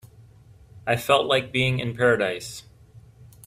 I felt like being in paradise.